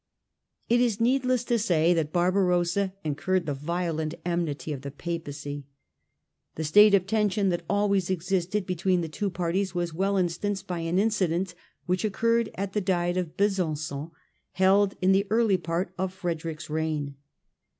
It is needless to say that Barbarossa incurred the violent enmity of the Papacy. The state of tension that always existed between the two parties was well instanced by an incident which occurred at the Diet of Besanon, held in the early part of Frederick's reign.